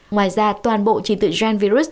ngoài ra toàn bộ trình tựu gian virus